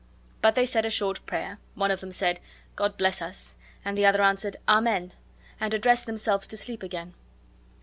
But they said a short prayer; one of them said, "God less us!" and the other answered, "Amen"; and addressed themselves to sleep again.